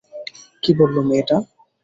কী বললো মেয়েটা?